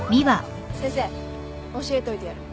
先生教えといてやる。